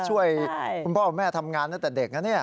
ช่วยคุณพ่อคุณแม่ทำงานตั้งแต่เด็กนะเนี่ย